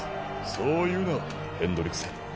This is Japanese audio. そう言うなヘンドリクセン。